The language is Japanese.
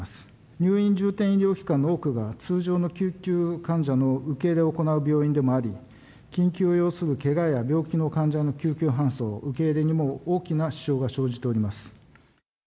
入院重点医療機関の多くが、通常の救急患者の受け入れを行う病院でもあり、緊急を要するけがや病気の患者の救急搬送、受け入れにも大きな支障が生じております。